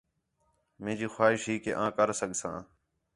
مینجی خواہش ہی کہ آں کر سڳساں